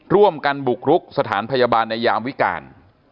ร่วมกันบุกรุกสถานพยาบาลในยามวิการ